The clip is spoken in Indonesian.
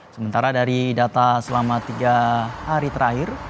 sementara dari data selama tiga hari terakhir